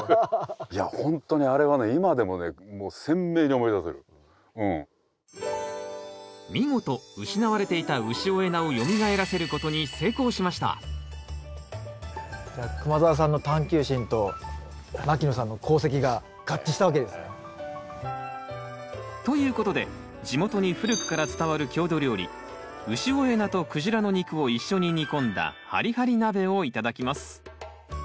いやほんとにあれはね見事失われていた潮江菜をよみがえらせることに成功しましたじゃあ熊澤さんの探究心と牧野さんの功績が合致したわけですね。ということで地元に古くから伝わる郷土料理潮江菜とクジラの肉を一緒に煮込んだはりはり鍋を頂きます。